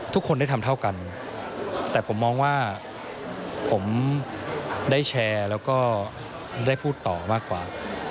ทุกคนได้ทำเท่ากันแต่ผมมองว่าผมได้แชร์แล้วก็ได้พูดต่อมากกว่า